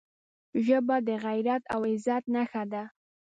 ژبه د غیرت او عزت نښه ده